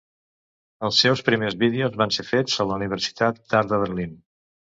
Els seus primers vídeos van ser fets a la Universitat d'Art de Berlín.